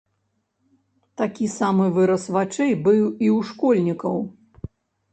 Такі самы выраз вачэй быў і ў школьнікаў.